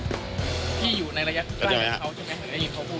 พี่อยู่ในระยะที่ใกล้กับเขาใช่ไหมเคยได้ยินเขาพูด